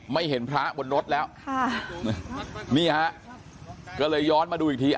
เห็นพระบนรถแล้วค่ะนี่ฮะก็เลยย้อนมาดูอีกที